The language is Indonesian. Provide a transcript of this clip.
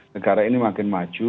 negara ini makin maju